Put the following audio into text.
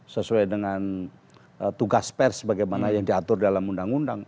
sesuai dengan tugas pers bagaimana yang diatur dalam undang undang